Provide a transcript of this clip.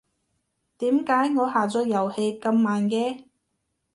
點解我下載遊戲咁慢嘅？